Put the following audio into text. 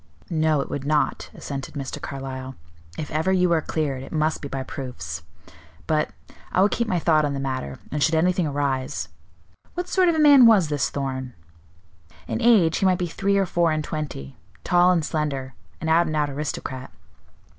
"No, it would not," assented Mr. Carlyle. "If ever you are cleared, it must be by proofs. But I will keep my thought on the matter, and should anything arise What sort of a man was this Thorn?" "In age he might be three or four and twenty, tall and slender; an out and out aristocrat."